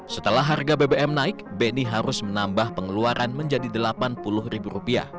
setelah harga bbm naik beni harus menambah pengeluaran menjadi rp delapan puluh